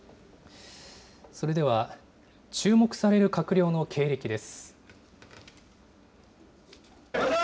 それでは、注目される閣僚の経歴です。